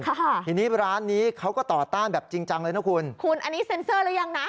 ค่ะทีนี้ร้านนี้เขาก็ต่อต้านแบบจริงจังเลยนะคุณคุณอันนี้เซ็นเซอร์หรือยังนะ